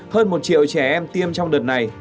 hơn một triệu trẻ em tiêm trong đợt này